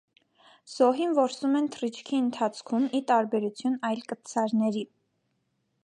Զոհին որսում են թռիչքի ընթացքում՝ ի տարբերություն այլ կտցարների։